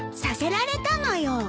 させられたのよ。